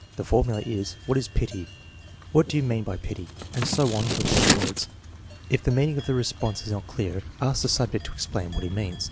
The formula is, " What is pity? What do we mean by pity? " and so on with the other words. If the meaning of the response is not clear, ask the subject to explain what he means.